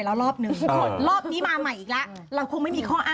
เมื่อก่อนมีอ๋ออ้นแบบไหนอ่ะ